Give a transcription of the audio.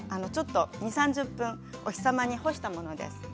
２０、３０分お日様に干したものです。